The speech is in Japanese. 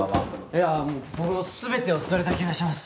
いやもう僕の全てを吸われた気がします。